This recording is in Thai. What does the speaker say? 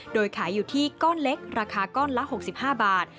โดยขายอยู่ที่ก้อนเล็กราคาก้อนละ๖๕บาท